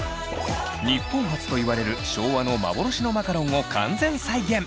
日本初といわれる昭和の幻のマカロンを完全再現！